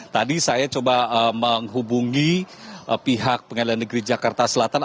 tadi saya coba menghubungi pihak pengadilan negeri jakarta selatan